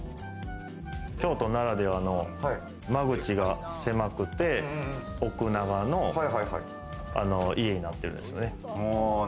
京都ならではの、間口が狭くて奥長の家になってるんですよね。